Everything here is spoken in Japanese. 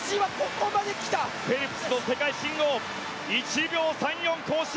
フェルプスの世界新を１秒３４更新。